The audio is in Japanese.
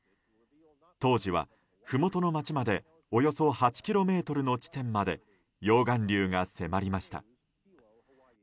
当時は、ふもとの街までおよそ８ｋｍの地点まで溶岩流が迫りました。